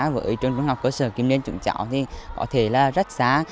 với trường trung học cơ sở kim liên chúng cháu thì có thể là rất xa